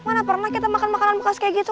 mana pernah kita makan makanan bekas kayak gitu